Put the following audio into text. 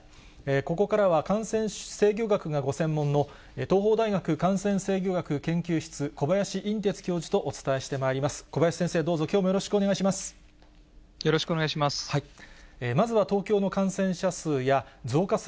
ここからは感染制御学がご専門の東邦大学感染制御学研究室、小林寅てつ教授とお伝えしてまいります。